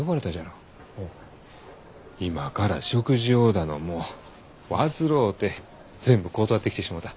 「今から食事を」だのもう煩うて全部断ってきてしもうた。